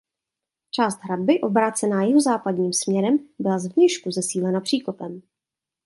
Část hradby obrácená jihozápadním směrem byla zvnějšku zesílena příkopem.